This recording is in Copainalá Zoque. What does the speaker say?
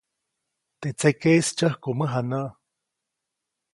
Teʼ tsekeʼis tsyäjku mäjanäʼ.